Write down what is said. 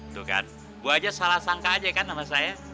itu kan bu aja salah sangka aja kan sama saya